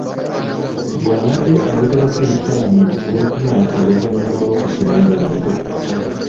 Bw’abadde ayogerako eri Paalamenti ku lwokuna oluvannyuma lw’okusoma embalirira.